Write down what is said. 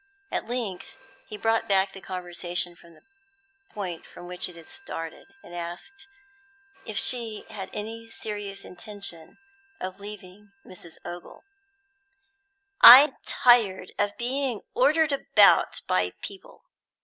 At length he brought back the conversation to the point from which it had started, and asked if she had any serious intention of leaving Mrs. Ogle. "I'm tired of being ordered about by people!"